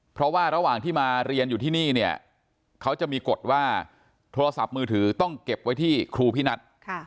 เพราะว่าระหว่างที่มาเรียนอยู่ที่นี่เนี่ยเขาจะมีกฎว่าโทรศัพท์มือถือต้องเก็บไว้ที่ครูพินัท